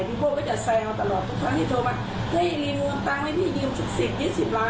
พี่โบ้ก็จะแซวตลอดทุกครั้งที่โทรมา